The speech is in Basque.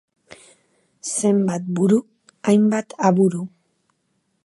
Zenbat buru, hainbat aburu.